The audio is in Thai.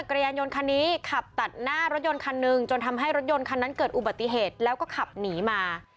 กระยานยนต์คันนี้ขับตัดหน้ารถยนต์คันหนึ่งจนทำให้รถยนต์คันนั้นเกิดอุบัติเหตุแล้วก็ขับหนีมา